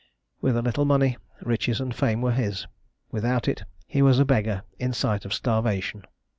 With a little money, riches and fame were his; without it he was a beggar in sight of starvation.